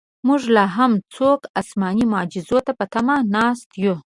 موږ لاهم څوک اسماني معجزو ته په تمه ناست یو.